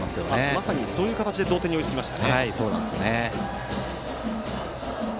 まさに、そういう形で同点に追いつきました。